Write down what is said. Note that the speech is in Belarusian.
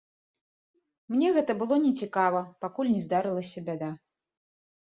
Мне гэта было нецікава, пакуль не здарылася бяда.